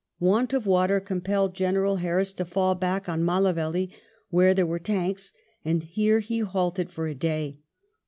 Want of water compelled General Harris to fall back on Mallavelly, where there were tanks, and here he halted for a day.